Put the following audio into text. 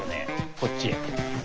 こっちへ。